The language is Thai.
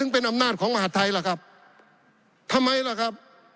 เป็นอำนาจของมหาดไทยล่ะครับทำไมล่ะครับ